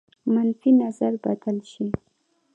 منفي نظر بدل شي.